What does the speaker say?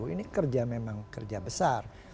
ini kerja memang kerja besar